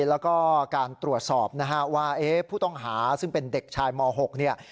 แล้วก็การตรวจสอบนะฮะว่าผู้ต้องหาซึ่งเป็นเด็กชายม๖เนี่ย